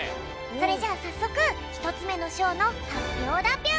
それじゃあさっそくひとつめのしょうのはっぴょうだぴょん！